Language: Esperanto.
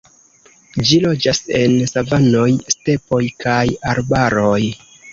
Ĝi loĝas en savanoj, stepoj, kaj arbaroj.